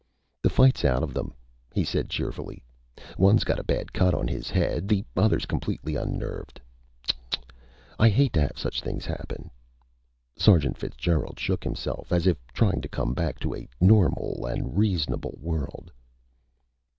"The fight's out of them," he said cheerfully. "One's got a bad cut on his head. The other's completely unnerved. Tsk! Tsk! I hate to have such things happen!" Sergeant Fitzgerald shook himself, as if trying to come back to a normal and a reasonable world.